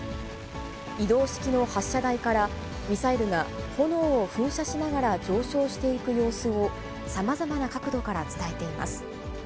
移動式の発射台からミサイルが炎を噴射しながら上昇していく様子をさまざまな角度から伝えています。